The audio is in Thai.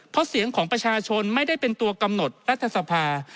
เพราะเสียงของประชาชนไม่ได้เป็นตัวกำหนดรัฐสภา